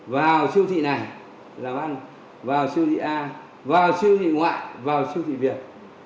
vào siêu thị này là bàn vào siêu thị a vào siêu thị ngoại vào siêu thị việt